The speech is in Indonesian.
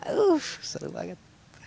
uff seru banget